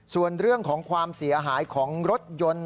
ส่วนเรื่องของความเสียหายของรถยนต์